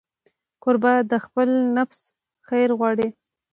کوربه د خپل نفس خیر غواړي.